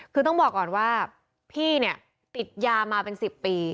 คือต้องบอกก่อนว่าพี่เนี่ยติดยามาเป็น๑๐ปี